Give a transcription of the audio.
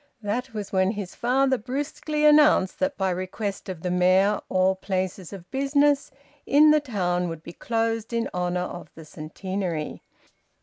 That was when his father brusquely announced that by request of the Mayor all places of business in the town would be closed in honour of the Centenary.